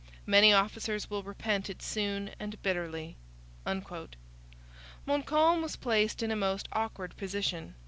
Many officers will repent it soon and bitterly.' Montcalm was placed in a most awkward position.